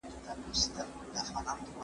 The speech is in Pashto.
موږ باید د خپلو کلتوري جشنونو درناوی وکړو.